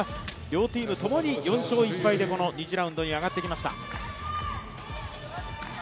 両チームとも４勝１敗で２次ラウンドに上がってきました。